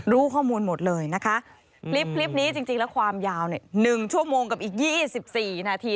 รู้ข้อมูลหมดเลยนะคะคลิปนี้จริงแล้วความยาวเนี่ย๑ชั่วโมงกับอีก๒๔นาที